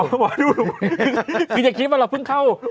เหมือนจะคิดว่าเราเพิ่งเข้า